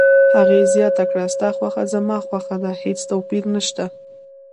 هغې زیاته کړه: ستا خوښه زما خوښه ده، هیڅ توپیر نشته.